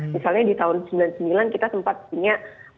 misalnya di tahun seribu sembilan ratus sembilan puluh sembilan kita sempat punya